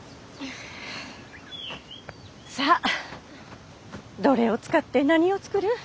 さあどれを使って何を作る？